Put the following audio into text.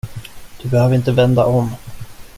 Du behöver inte vända om.